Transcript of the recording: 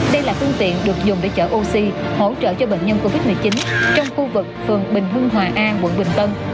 đây là phương tiện được dùng để chở oxy hỗ trợ cho bệnh nhân covid một mươi chín trong khu vực phường bình hưng hòa an quận bình tân